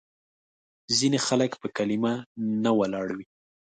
ځینې خلک په کلیمه نه ولاړ وي.